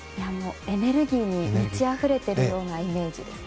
エネルギーに満ちあふれているようなイメージですね。